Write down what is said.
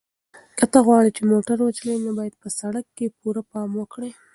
که ته غواړې چې موټر وچلوې نو باید په سړک کې پوره پام وکړې.